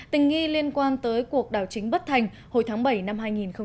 tình nghi liên quan tới cuộc đảo chính bất thành hồi tháng bảy năm hai nghìn một mươi chín